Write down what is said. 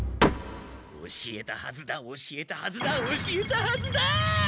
教えたはずだ教えたはずだ教えたはずだ！